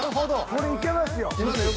これいけますよ。